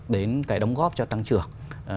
đến cái đóng góp cho tăng trưởng